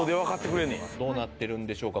どうなってるんでしょうか？